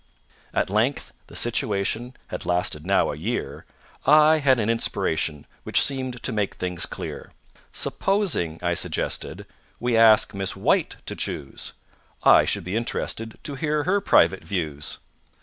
At length the situation Had lasted now a year I had an inspiration, Which seemed to make things clear. "Supposing," I suggested, "We ask Miss WHITE to choose? I should be interested To hear her private views.